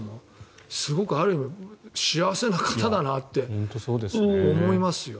すごく、ある意味幸せな方だなって思いますよ。